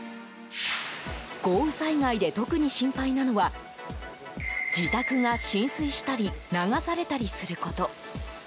豪雨災害で特に心配なのは自宅が浸水したり流されたりすること。